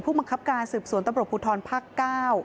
ผู้มังคับการสืบสวนต้ำปรบภูทรภักดิ์๙